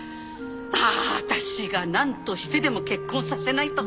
あ私が何としてでも結婚させないと。